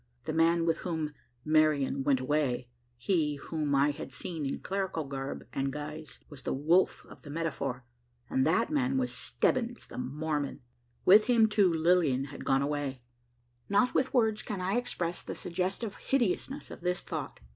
The man with whom "Marian went away" he whom I had seen in clerical garb and guise, was the wolf of the metaphor; and that man was Stebbins, the Mormon! With him, too, Lilian had gone away! Not with words can I express the suggestive hideousness of this thought.